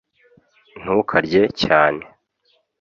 ntukarye cyane